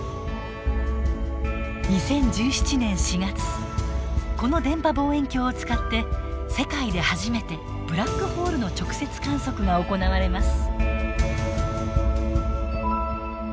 ２０１７年４月この電波望遠鏡を使って世界で初めてブラックホールの直接観測が行われます。